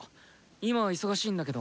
今忙しいんだけど。